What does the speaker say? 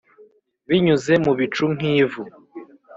binyuze mu bicu nk'ivu